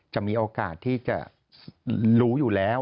จะมีโอกาสที่จะรู้อยู่แล้ว